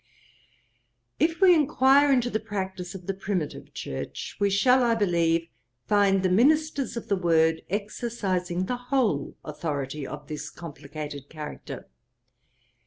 'If we enquire into the practice of the primitive church, we shall, I believe, find the ministers of the word exercising the whole authority of this complicated character.